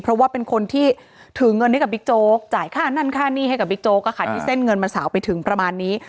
เพราะว่าเป็นคนที่ถือเงินให้กับบิ๊กโจ๊กจ่ายค่านั่นค่าหนี้ให้กับบิ๊กโจ๊กที่เส้นเงินมาสาวไปถึงประมาณนี้